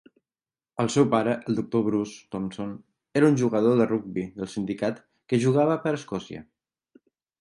El seu pare, el doctor Bruce Thomson, era un jugador de rugbi del sindicat que jugava per Escòcia.